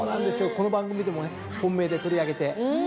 この番組でも本命で取り上げて。